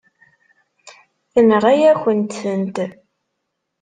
Tenɣa-yakent-tent.